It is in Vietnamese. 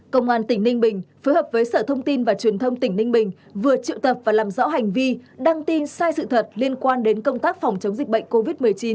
công an tỉnh ninh bình phối hợp với sở thông tin và truyền thông tỉnh ninh bình vừa triệu tập và làm rõ hành vi đăng tin sai sự thật liên quan đến công tác phòng chống dịch bệnh covid một mươi chín